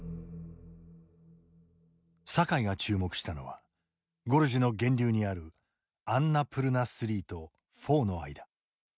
酒井が注目したのはゴルジュの源流にあるアンナプルナⅢとⅣの間。